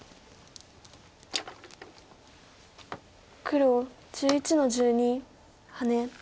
黒１１の十二ハネ。